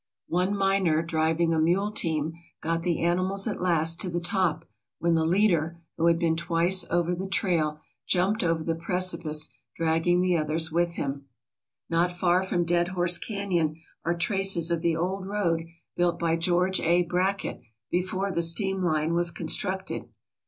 One miner driving a mule team got the animals at last to the top, when the leader, who had been twice over the trail, jumped over the preci pice, dragging the others with him. Not far from Dead Horse Canyon are traces of the old road built by George A. Brackett before the steam line was constructed.